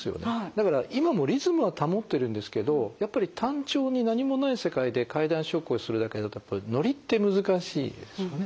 だから今もリズムは保ってるんですけどやっぱり単調に何もない世界で階段昇降するだけだとノリって難しいですよね。